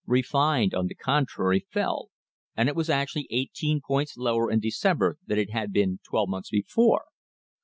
Refined, on the con trary, fell, and it was actually eighteen points lower in Decem ber than it had been twelve months before.